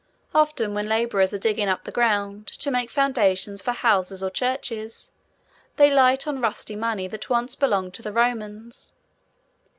Often, when labourers are digging up the ground, to make foundations for houses or churches, they light on rusty money that once belonged to the Romans.